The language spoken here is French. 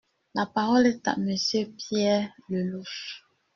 La parole est à Monsieur Pierre Lellouche.